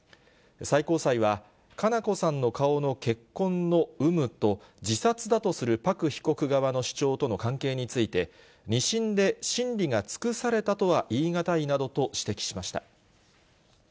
最高裁は、佳菜子さんの顔の血痕の有無と、自殺だとするパク被告側の主張との関係について、２審で審理が尽くされたとは言い難いなどと指摘しました。